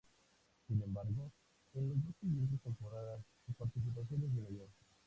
Sin embargo, en las dos siguientes temporadas su participación disminuyó.